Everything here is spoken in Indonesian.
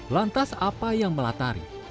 lantas apa yang melatari